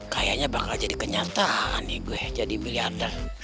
kayaknya bakal jadi kenyataan nih gue jadi miliarder